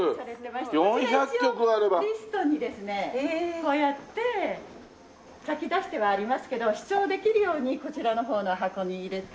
こうやって書き出してはありますけど試聴できるようにこちらの方の箱に入れて。